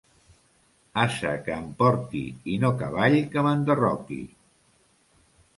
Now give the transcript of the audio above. Ase que em porti i no cavall que m'enderroqui.